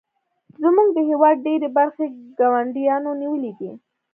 زموږ د هیواد ډیرې برخې ګاونډیانو نیولې دي